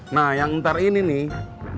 nah yang ntar ini nih